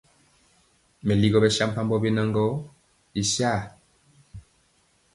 Meligɔ bɛsampambɔ biena gɔ y saa.